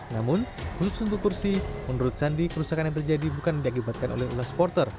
namun khusus untuk kursi menurut sandi kerusakan yang terjadi bukan diakibatkan oleh ulah supporter